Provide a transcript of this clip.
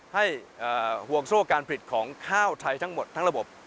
ให้ห่วงโซ่การผลิตของข้าวไทยทั้งหมดทั้งระบบ